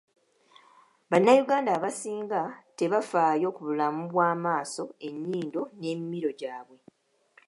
Bannayuganda abasinga tebafaayo ku bulamu bw'amaaso, ennyindo n'emimiro gyabwe.